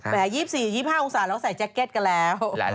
๒๔๒๕องศาเราใส่แจ็คเก็ตกันแล้ว